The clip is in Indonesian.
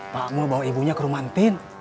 pak mau bawa ibunya ke rumah entin